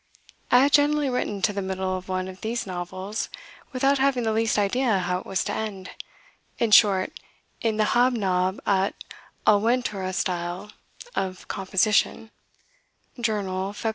"I have generally written to the middle of one of these novels without having the least idea how it was to end, in short, in the hab nab at a venture style of composition" (Journal, Feb.